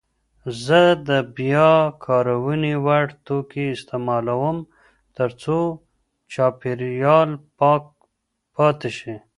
زه د بیاکارونې وړ توکي استعمالوم ترڅو چاپیریال پاک پاتې شي.